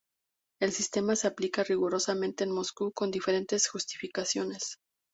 El sistema se aplica rigurosamente en Moscú con diferentes justificaciones.